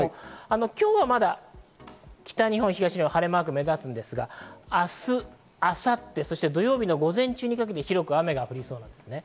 今日はまだ北日本、東日本は晴れマークが目立ちますが、明日、明後日、そして土曜日の午前中にかけて広く雨が降りそうなんです。